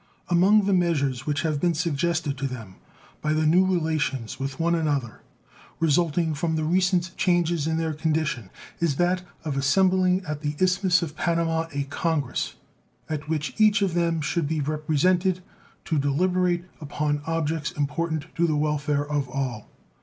Among the measures which have been suggested to them by the new relations with one another, resulting from the recent changes in their condition, is that of assembling at the Isthmus of Panama a congress, at which each of them should be represented, to deliberate upon objects important to the welfare of all.